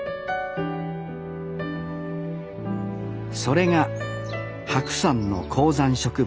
それが白山の高山植物